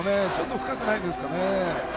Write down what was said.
深くないんですかね。